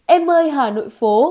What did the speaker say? em ơi hà nội phố